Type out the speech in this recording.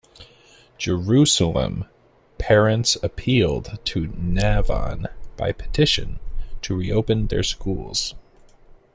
Jerusalem parents appealed to Navon by petition, to reopen their schools.